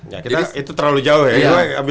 ya kita itu terlalu jauh ya